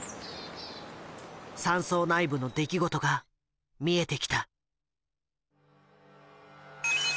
山荘内部の出来事が見えてきた。